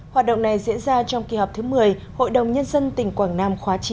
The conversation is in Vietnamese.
hoạt động này diễn ra trong kỳ họp thứ một mươi hội đồng nhân dân tỉnh quảng nam khóa chín